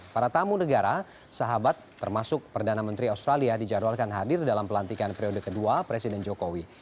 para tamu negara sahabat termasuk perdana menteri australia dijadwalkan hadir dalam pelantikan periode kedua presiden jokowi